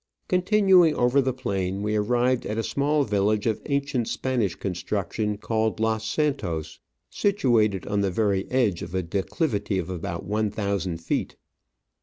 Continuing over the plain, we arrived at a small village of ancient Spanish construction, called Los Santos, situated on the very edge of a declivity of about one thousand feet.